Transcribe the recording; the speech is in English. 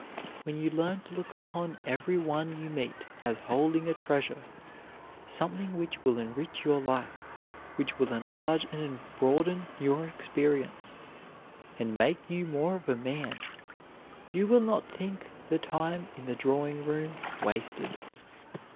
When you learn to look upon every one you meet as holding a treasure, something which will enrich your life, which will enlarge and broaden your experience, and make you more of a man, you will not think the time in the drawing room wasted.